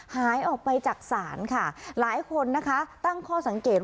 หายออกไปจากศาลค่ะหลายคนนะคะตั้งข้อสังเกต